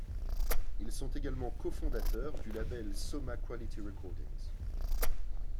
Ils sont également cofondateurs du label Soma Quality Recordings.